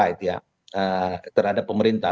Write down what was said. jadi ini adalah pertalat ya terhadap pemerintah